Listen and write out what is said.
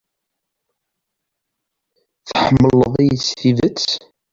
Tḥemmleḍ-iyi s tidet?